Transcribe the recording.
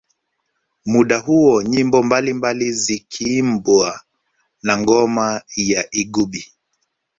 Muda huo nyimbo mbalimbali zikiimbwa na ngoma ya igubi